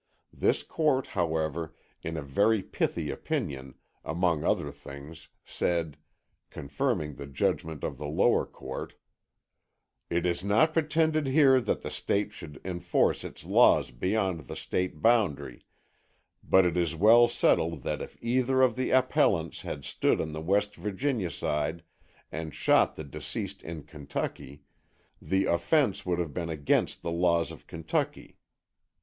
This Court, however, in a very pithy opinion, among other things said, confirming the judgment of the lower court: It is not pretended here that the State could enforce its laws beyond the State boundary, but it is well settled that if either of the appellants had stood on the West Virginia side and shot the deceased in Kentucky, the offense would have been against the laws of Kentucky.